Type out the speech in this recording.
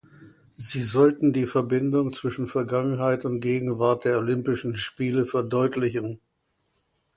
Sie sollten die Verbindung zwischen Vergangenheit und Gegenwart der Olympischen Spiele verdeutlichen.